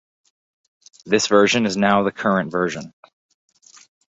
This version is now the current version.